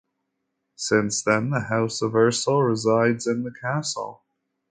Since then the House of Ursel resides in the Castle.